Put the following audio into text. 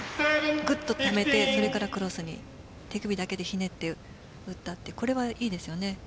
ぐっとためてクロスに手首だけでひねって打ったというのはいいですね。